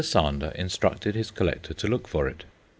Sander instructed his collector to look for it.